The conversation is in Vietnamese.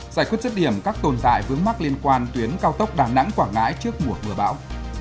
giải quyết rứt điểm các tồn tại vướng mắc liên quan tuyến cao tốc đà nẵng quảng ngãi trước mùa mưa bão